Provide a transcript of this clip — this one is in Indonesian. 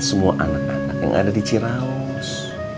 semua anak anak yang ada di ciraus